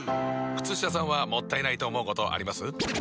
靴下さんはもったいないと思うことあります？